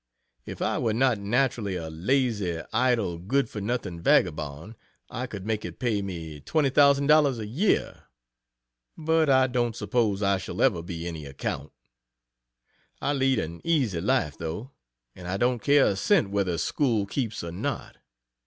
If I were not naturally a lazy, idle, good for nothing vagabond, I could make it pay me $20,000 a year. But I don't suppose I shall ever be any account. I lead an easy life, though, and I don't care a cent whether school keeps or not.